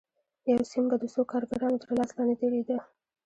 یو سیم به د څو کارګرانو تر لاس لاندې تېرېده